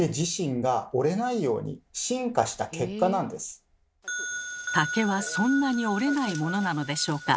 これは竹はそんなに折れないものなのでしょうか？